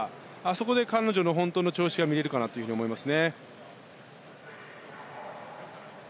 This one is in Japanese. そこで彼女の本当の調子が見られるかなと思います。